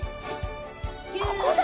ここだ！